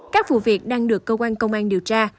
các vụ việc đang được cơ quan công an điều tra